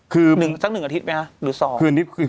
นึงสัก๑อาทิตย์ไหมฮะรึ๒